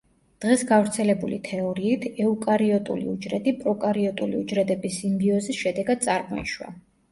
დღეს გავრცელებული თეორიით, ეუკარიოტული უჯრედი პროკარიოტული უჯრედების სიმბიოზის შედეგად წარმოიშვა.